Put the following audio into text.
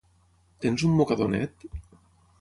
Tens un mocador net?